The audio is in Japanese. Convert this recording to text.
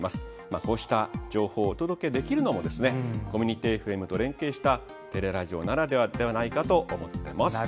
こうした情報をお届けできるのもコミュニティＦＭと連携した「てれらじお」ならではないかと思っています。